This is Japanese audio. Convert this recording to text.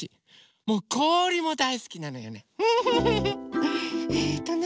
こおりもだいすきなのよね。